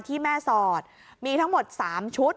ที่แม่สอดมีทั้งหมด๓ชุด